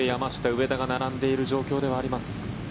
上田が並んでいる状況であります。